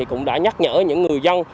cũng đã nhắc nhở những người dân